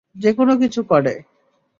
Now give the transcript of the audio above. যে কোন কিছু করে।